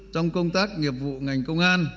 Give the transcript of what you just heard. trong công tác nghiệp vụ ngành công an